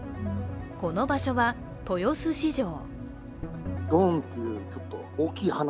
この場所は、豊洲市場。